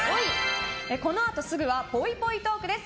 このあとすぐはぽいぽいトークです。